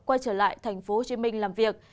quay trở lại thành phố